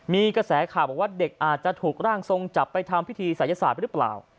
มีกระแสข่าวบอกว่าเด็กอาจจะถูกร่างทรงจับไปทำพิธีศัยศาสตร์หรือเปล่า